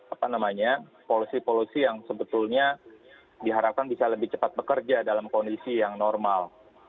apa namanya polusi polusi yang sebetulnya diharapkan bisa lebih cepat bekerja dalam kondisi yang normal